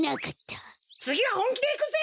つぎはほんきでいくぜ！